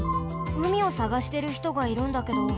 うみをさがしてるひとがいるんだけど。